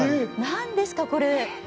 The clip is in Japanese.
何ですか、これ。